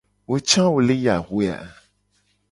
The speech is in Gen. Wo ca wo le yi axue a ?